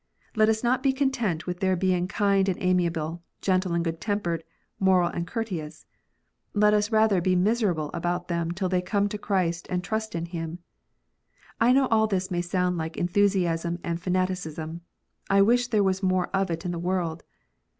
Let us not be content with their being kind and amiable, gentle and good tempered, moral and courteous. Let us rather be miserable about them till they come to Christ, and trust in Him. I know all this may sound like enthusiasm and fanaticism. I wish there was more of it in the world.